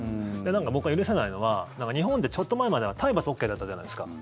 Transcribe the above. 僕が許せないのは日本でちょっと前までは体罰ＯＫだったじゃないですか。